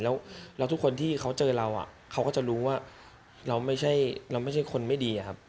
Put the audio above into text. แล้วทุกคนที่เขาเจอเราเขาก็จะรู้ว่าเราไม่ใช่คนไม่ดีอะครับ